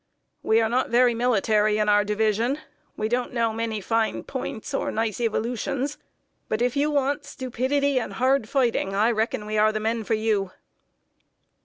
We are not very military in our division. We don't know many fine points or nice evolutions; but if you want stupidity and hard fighting, I reckon we are the men for you."